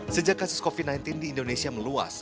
sejak kasus covid sembilan belas di indonesia meluas